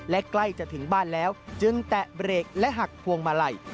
และใกล้จะถึงบ้านแล้วจึงแตะเบรกและหักพวงมาลัย